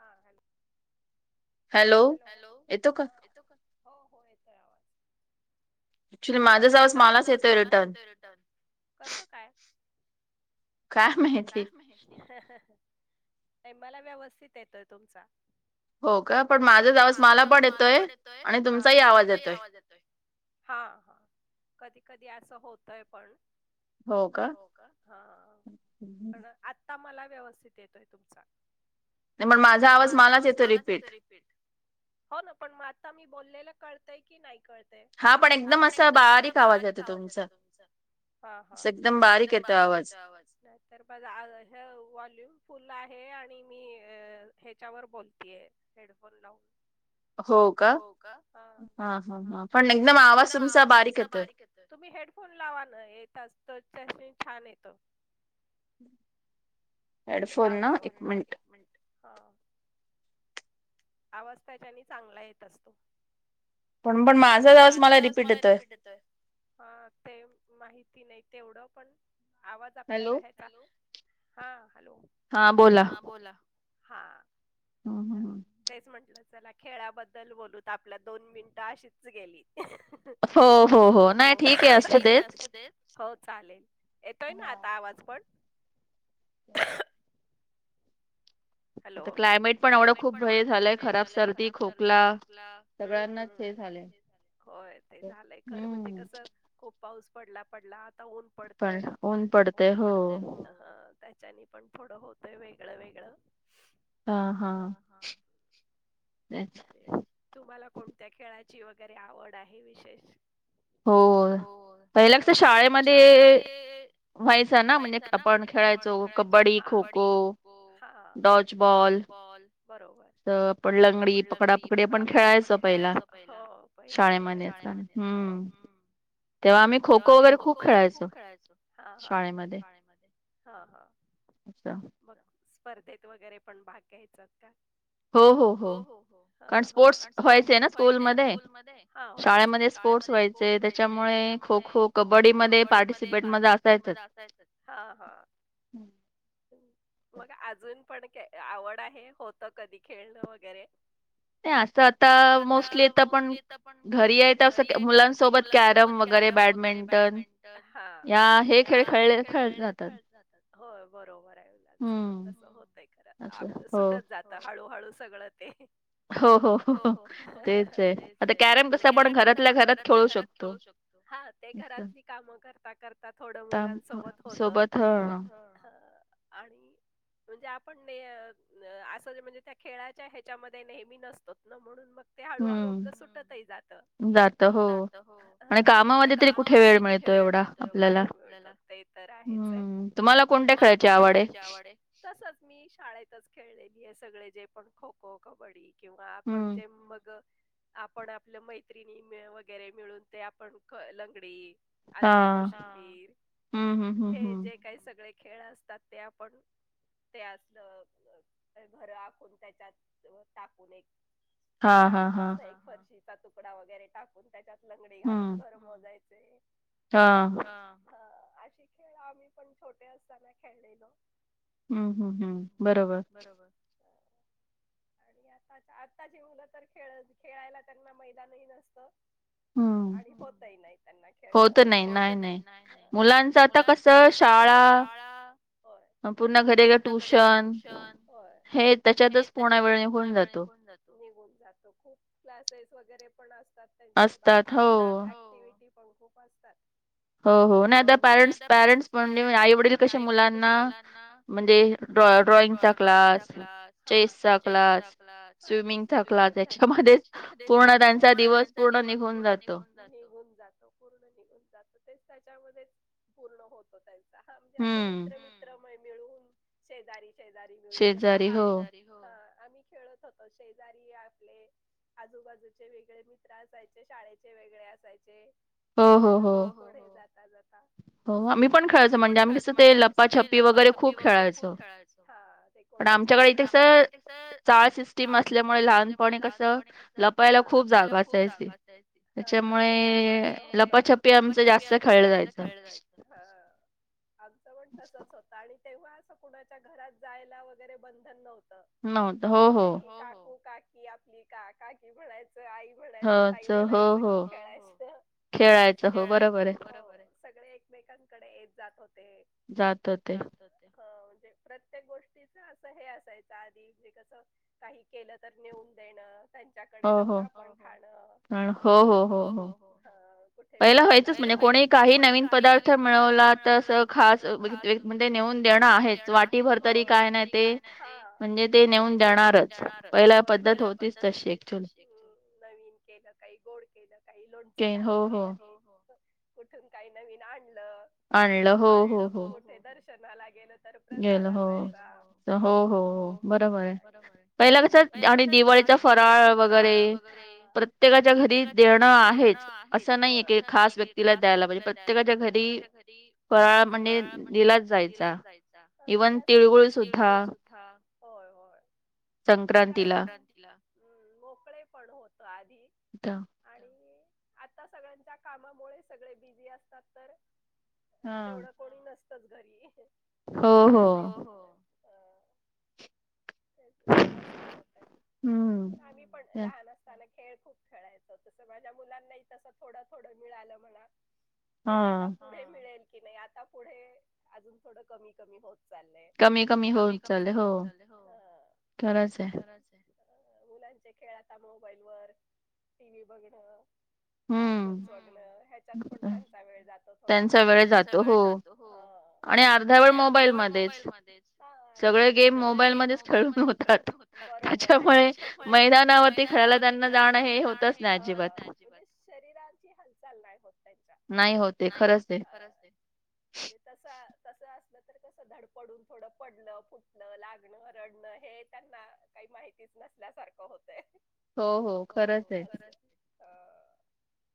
हा hello! Hello hello हा येतो का? हो हो येतोय आवाज. तुम्हाला येतोय? माझाच मला येतोय रिटर्न कसं काय? काय माहिती नाही मला व्यवस्थित येतोय तुमचा हो का पण माझाच आवाज मला पण येतोय आणि तुमचाही आवाज येतोय. हा हा कधी कधी असं होतय पण हो का हा पण आता मला व्यवस्थित येतोय तुमचा पण माझा आवाज मलाच येतो रिपीट हो ना पण मग आता मी बोलेलं कळतंय की नाही कळतंय? हा पण एकदम असं बारीक आवाज येतं तुमचा. हा हा अस एकदम बारीक येतोय आवाज. तर [unintelligible] वॉल्यूम फुल आहे आणि मी ह्याच्यावर बोलतीय. हेडफोन लावू हो का? तरी पण एकदम आवाज तुमचा बारीक येतो तुम्ही हेडफोन लावा ना येताच तर त्याशी छान येतो. लावल्यावर ना एक मिनिट ह. आवाज त्याच्यानी चांगला येत असतो. पण पण माझा आवस मला रिपीट येतोय. हा ते माहिती नाही तेवढं पण आवाज आपल्याला ह्या हॅलो हा हॅलो हा बोला हा [unintelligible] तेच म्हंटलं चला खेळाबद्दल बोलूत आपल्या दोन मिनिटं अशीच गेली. हो हो हो ते ठीक आहे असु देत. हो चालेल येतोय ना आता आवाज पण. [unintelligible] हॅलो क्लायमेट पण एवढं खूप हे झालंय खराब सर्दी खोकला हम्म ते झा होय ते झालंय खरं म्हणजे कसं. खूप पाऊस पडला पडला आता ऊन पडते प ऊन पडतय हो. अ त्याच्यानी पण थोडं होतोय वेगळं वेगळं. हा हा तेच. तुम्हाला कोणत्या खेळाची वगैरे आवड आहे विशेष. हो पहिला कस शाळेमध्ये व ना म्हणजे आपण खेळायचो कबड्डी खो खो डॉच बॉल बरोबर. तर पण लंगडी पकडापकडी पण खेळायच पहिला शाळेमध्ये असना हम्म. तेव्हा आम्ही खो खो वगैरे खूप खेळायचो शाळेमध्ये. [unintelligible] स्पर्धेत वगैरे पण भाग घ्यायचात का. हो हो हो आणि स्पोर्ट्स व्हायचे आहे ना स्कूलमध्ये हा व्हायचे शाळेमध्ये चे त्यांच्यामुळे त्याच्यामुळे खो खो कबड्डी मध्ये पार्टिसिपेट मध्ये असायचंच ह ह हो. मग अजून पण आवड आहे होत कधी खेळणं वगैरे. नाही असं आता मोस्टलीता पण घरी आहे असं मुलांसोबत कॅरम वगैरे बॅडमिंटन ह या हे खेळ खेळ खळ हो बरोबर आहे मुलांसोबत तस होत नाही खर आपलं सुटत जात हळूहळू सगळं ते. हो हो हो तेच आहेण क्यारम आपण घरातल्या घरात खेळू शकतो. हा ते घरातली कामं करता करता थोडं मुलांसोबत होतं सोबत ह आणि म्हणजे आपण हे अं असं म्हणजे त्या खेळाच्या ह्याच्यामध्ये नेहमी नसतोत ना म्हणुन म ते हळूहळू आपलं सुटतही जात, जात हो. आणि कामामध्ये तरी कुठे वेळ मिळतो एवढा आह वेळ लागत ते तर आहेच ये. तुम्हाला कोणत्या खेळायची आवड आहे. तसच मी शाळेतच खेळलेली आहे सगळे जे पण खो -खो, कबड्डी किंवा आपण जे मग आपण आपलं मैत्रिणी मिळ वगैरे मिळून ते आपण होय लंगडी, आंधळी कोशंगीर हे जे काही सगळे खेळ असतात ते आपण ते असलं घर आखून त्याच्यात टाकून एक हे टाकतच एक फरशीचा तुकडा वगैरे टाकून त्याच्यात लंगडी घालून मोजायचे. हा. ह ह अशी खेळ आम्ही पण छोटे असताना खेळलेलो. हम्म, हम्म, हम्म बरोबर. आणि आता आत्ताची मुलं तर खेळ खेळायला त्यांना मैदानही नसतं. आणि होत नाही त्यांना खेळणं वगैरे होत नाही, नाही, नाही मुलांना आता कस शाळा, होय पूर्ण घरी ट्युशन होय. हे त्याच्यातच पुर्ण वेळी होऊन जातो हे होन जातो खूप क्लासेस वगैरे पण असतात. असतात. असतात हो ऍक्टिव्हटी पण खूप असतात. हो हो नाही आता पॅरेंटस, पॅरेंटस म्हणजे आईवडील कशे मुलांना होय म्हणजे ड्रॉइंग चा क्लास, हा तेच चेसचा क्लास, दुसरे कुठे क्लास त्याच्यामध्येच पूर्ण त्यांचा दिवस पूर्ण निघून निघून जात पूर्ण निघून जात तेच त्याच्यामध्येच पूर्ण होतो त्यां हा म्हणजे असं मित्र, मित्र मिळून शेजारी, शेजारी मिळून जस आम्ही हा आम्ही खेळत होतो शेजारी आपले आजूबाजूचे वेगळे मित्र असाय शाळेचे वेगळे असायचे हो हो आणि पुढे जाता जाता आस हो आम्ही पण खेळायचो म्हणजे आम्ही कसं ते लप्पाछप्पी वगैरे खूप खेळायचो ह. कोनाच्या ही घराम आमच्याकडे कस चाळ सिस्टीम असल्यामुळे लहानपणी क लपायला खूप जागा असायची त्यामुळे लपाछपी आमच जास्त खेळ ह आमचं पण तसच होत आणि तेव्हा असं कुणाच्या घरात जायला वगैरे बंधन नव्हतं. कुठेही काकू, काकी आपली का काकी म्हणायचं आई ह. हे म्हनायच कि हो, हो खेळाच खेळायच खेळायचं हो बरोबर सगळे एकमेकांकडे येत जात होते, जात होते. ह म्हणजे प्रत्येक गोष्टीच असं हे असायच आधी हे कस काही केलं तर नेऊन देणं त्यांच्याकडे जाऊन आपण खाणं. ह हो हो हो. कुठे फिरायला पहिले व्हायच म्हणजे कोणी काही नवीन पदार्थ मिळवला तस खास म्हणजे नेऊन देणं आहेच वाटीभर तरी काय नाही ते म्हणजे ते नेऊन देनारच होय पहिले पद्धत होतीच तशी नवीन. केलं काही गोड केलं काही लोणचं घातलं कधी.. कुठून काही नवीन आणलं आनल हो, हो कुठे दर्शनाला गेलं. तर प्रसाद असायचा हो, हो बरोबर हे. पहिला कस आणि दिवाळीचा फराळ वगैरे हां. प्रत्येकाच्या घरी देणं आहेच, होय. असं नाही की खास व्यक्तीला द्यायला पाहिजे प्रत्येकाच्या घरी तसं म्हणजे दिलाच जायचा हा म्हननजे इव्हन तिळगुळ सुधा हा, होय होय म्हणजे आसा संक्रांतीचा हम्म मोकळे पण होतो आधी का [unintelligible] आणि आता सगळ्यांच्या कामामुळे सगळे बिझी असतात तर अ तेवढं कोणी नसतच घरी अस त्याच असंही होतं आम्ही पण लहान असताना. खेळ खूप खेळायचं तसं माझ्या मुलांनाही तस थोडं, थोडं मिळालं म्हणा. पण आता पुढे मिळेल की नाही आता पुढे अजून थोडं कमी, कमी होत. चाललय कमी, खकमी होत चालय हो खरच आहे. अ मुलांचे खेळ आता मोबाईल वर टी, व्ही बघणं कार्टून बगण ह्याच्यात पण त्यांचा वेळ जातो थोडा त्यांचा वेळ जातो. हो आणि अर्धा वेळ मोबाईल मध्येच सगळे गेम मोबाईलमध्येच खेळून होतात. बरोबर आहे. त्याच्यामुळे मैदानावरती खेळायला त्यांना जाणे. होताच नाही अजिबाद. शरीराची हालचाल नाही. हो, नाही होत. खरंच ते त तस असलं तर कस धडपडून थोडं पडलं फुटलं लाग ण, रडणं हे त्यांना काही माहितीच नसल्यासारखं होतय. हो, हो, बरच आहे अ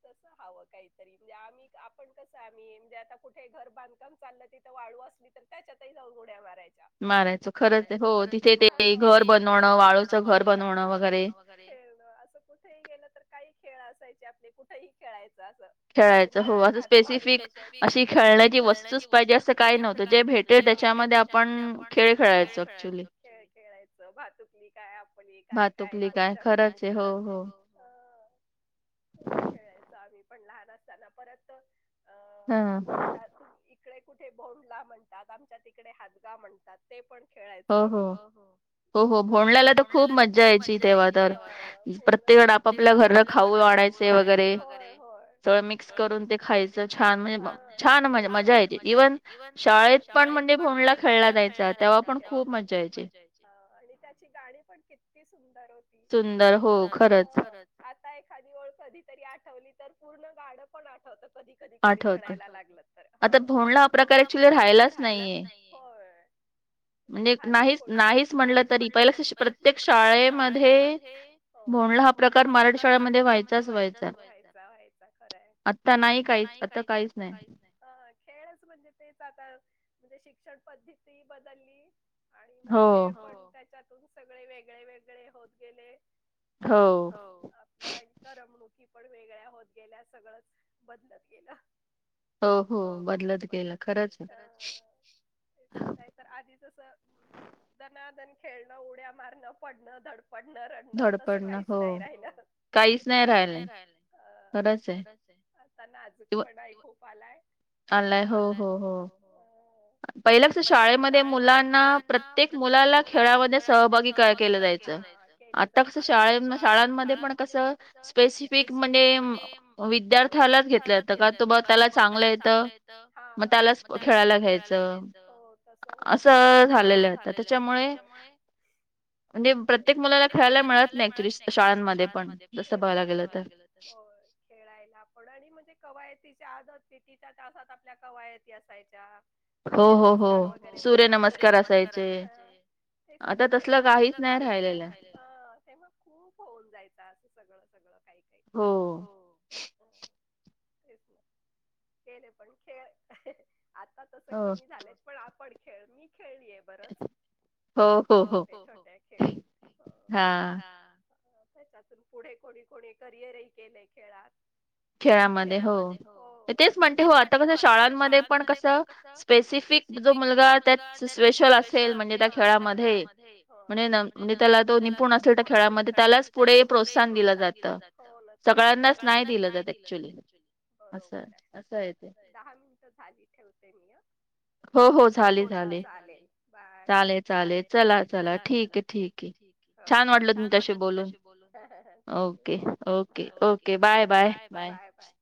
तसं हवं काहीतरी म्हणजे आम्ही आपण कसं आम्ही म्हणजे आता कुठे घर बांधकाम चाललं की वाळू असली तर त्याच्यातही जाऊन उड्या मारायच्या. मारायचं खरंच आहे हो तिथे ते घर बनवणं वाळूचं घर बनवणं वगैरे, खेळण असं कुठेही गेलं. तर काही खेळ असायचे आपल्या कुठेही खेळायचं असं. स्पेसिफिक अशी खेळण्याची वस्तूच पाहिजे असं काय नव्हत. तर जे भेटेल त्याच्यामध्ये आपण खेळ खेळायच खेळ खेळायचं भातुकली काय म्हणजे काय काय काय खरच आहे. हो, अ खूप खेळायचो आम्ही, पण लहान असताना परत अ आता तिकडे कुठे भोंडला म्हणतात. आमच्या तिकडे हादगा म्हणतात ते पण खेळाय चो आम्ही, हो हो. हो हो भोंडण्याला तर खूप मज्जा यायची. तेव्हा तर प्रत्येक जण आपापल्या घरनं खाऊ आणायचे वगैरे सगळं मिक्स करून ते खायचं छान छान मजा यायची. इव्हन शाळेत पण म्हणजे भोंडला खेळला जायचं. तेव्हा पण, खूप मज्जा यायची आणि त्याची गाणी पण किती सुंदर होती. सुंदर हो. खरच, आता एखादी ओळ कधीतरी आठवली तर पूर्ण गाण पण आठवतं कधी कधी कोणी म्हणायला लागलं. तर आता भोंडा हा प्रकार एक्च्युली राहिलाच नाही. [inaudible] नाही नाहीच म्हणलं तरी पहिले प्रत्येक शाळेमध्ये हो, भोंडला हा प्रकार मराठी शाळेमध्ये व्हायचाच व्हायचा खरंय आता नाही. नाही काहीच आता काहीच नाही. हा, खेळच म्हणजे तेच आता म्हणजे शिक्षण पद्धती बदलली. आणि मग खेळ पण त्याच्यातून सगळे वेगळे वेगळे होत गेले. हो आणि करमणुकी पण वेगळ्या होत गेल्या सगळंच बदलत गेलं. हो, हो, बदलत गेलं. खरंच, नाही. तर आधी जसं दनादन खेळणं, उड्या मारणं, पडणं, धडक, पडण, रडणं तसं काहीच नाही राहिल काहीच नाही राहिल. अ खरंच आहे. आता नाजूक पणा ही खूप आलाय. आलाय. हो, हो, हो, पहिला कसं शाळेमध्ये मुलां मुलांना प्रत्येक मुलाला खेळामध्ये सहभागी केलं जायच. आता कसं शाळ शाळांमध्ये पण कस स्पेसिफिक म्हणजे, विद्यार्थ्याला घेतल जात. कारण कोण त्याला चांगलं येत त्यालाच खेळा यला घ्यायच. हो, तसं होतंय. अस झालेलं. हो, त्यांच्यामुळे म्हणजे, प्रत्येक मुलाला खेळायला मिळत नाही. ऍक्च्युली शाळांमध्ये पण बघायला गेल तर. होय. खेळायला पण आणि म्हणजे कवायतीच्या अर्धा पिटिच्या तासात आपल्या कवायती असायच्या. सूर्यनमस्कार वगैरे पण, सूर्यनमस्कार असायच. आता तसलं काहीच नाही राहील. हा तेव्हा खूप होऊन जायचं असं सगळं सगळं काही काही हो तेच ना केले पण खेळ आता तसे कमी झालेत. पण आपण खेळ मी खेळलीय. बरंच हो, हो, अशा छोटे छोट्या खेळ हा. त्याच्यातून पुढे कोणी कोणी करिअरही केलेय खेळात. खेळामध्ये हो तेच म्हणते हो आता कस शाळांमध्ये पण कसं स्पेसिफिक जो मुलगा त्यात स्पेशल असेल त्या खेळामध्ये म्हणजे म्हणजे त्याला तो निपून असेल त्या खेळामध्ये त्यालाच पुढे प्रोत्साहन दिलं जात सगळ्यांनाच नाही दिल जात एक्चुली बरोबर आहे दहा मिनिट झाली ठेवते मी हां हो हो झाले झा बाय चालेल चालेल चला चला ठीक हे ठीक हो छान वाटलं तुमच्याशी बोलून thank you okay okay okay bye bye bye